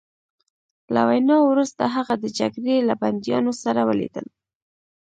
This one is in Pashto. له وینا وروسته هغه د جګړې له بندیانو سره ولیدل